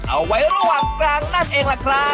เอาไว้ระหว่างกลางนั่นเองล่ะครับ